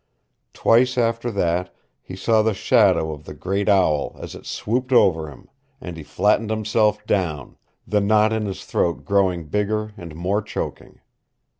Twice after that he saw the shadow of the great owl as it swooped over him, and he flattened himself down, the knot in his throat growing bigger and more choking.